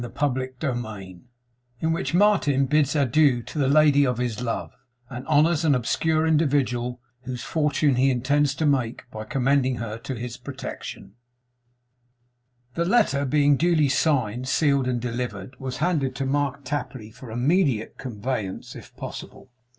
CHAPTER FOURTEEN IN WHICH MARTIN BIDS ADIEU TO THE LADY OF HIS LOVE; AND HONOURS AN OBSCURE INDIVIDUAL WHOSE FORTUNE HE INTENDS TO MAKE BY COMMENDING HER TO HIS PROTECTION The letter being duly signed, sealed, and delivered, was handed to Mark Tapley, for immediate conveyance if possible.